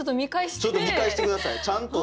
ちょっと見返して下さいちゃんと。